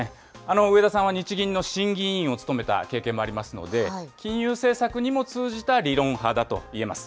植田さんは日銀の審議委員を務めた経験もありますので、金融政策にも通じた理論派だと言えます。